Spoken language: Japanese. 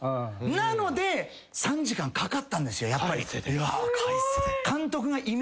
なので３時間かかったんですよやっぱり。